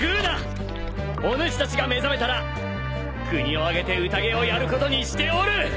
おぬしたちが目覚めたら国を挙げて宴をやることにしておる！